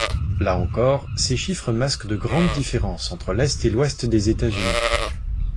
Là encore, ces chiffres masquent de grandes différences entre l'est et l'ouest des États-Unis.